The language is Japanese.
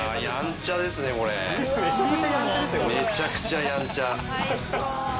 めちゃくちゃやんちゃですよ。